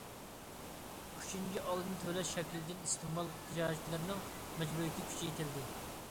ئۈچىنچى، ئالدىن تۆلەش شەكلىدىكى ئىستېمال تىجارەتچىلىرىنىڭ مەجبۇرىيىتى كۈچەيتىلدى.